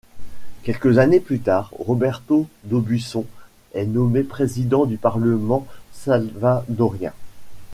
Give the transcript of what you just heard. Quelques années plus tard, Roberto d'Aubuisson est nommé président du Parlement salvadorien.